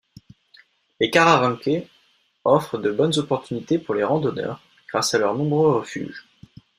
Les Karavanke offrent de bonnes opportunités pour les randonneurs, grâce à leurs nombreux refuges.